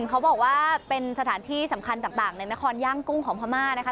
เขาบอกว่าเป็นสถานที่สำคัญต่างในนครย่างกุ้งของพม่านะคะ